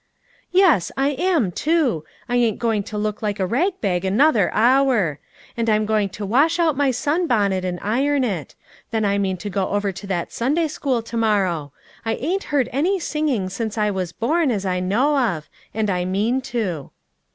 "Yes, I am, too; I ain't going to look like a rag bag another hour. And I'm going to wash out my sun bonnet and iron it; then I mean to go over to that Sunday school to morrow. I ain't heard any singing since I was born, as I know of, and I mean to."